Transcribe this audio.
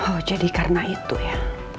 oh jadi karena itu ya